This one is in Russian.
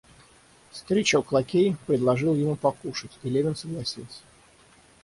Старичок-лакей предложил ему покушать, и Левин согласился.